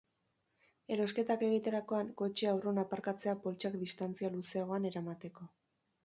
Erosketak egiterakoan, kotxea urrun aparkatzea poltsak distantzia luzeagoan eramateko.